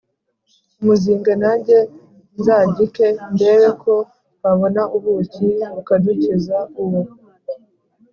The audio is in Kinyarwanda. umuzinga, nange nzagike ndebe ko twabona ubuki bukadukiza!” Uwo